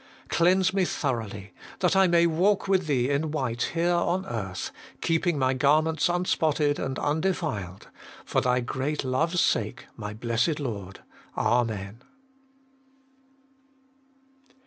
Cleanse me thoroughly, that I may walk with Thee in white here on earth, keeping my garments unspotted and undefiled. For Thy great love's sake, my Blessed Lord. Amen.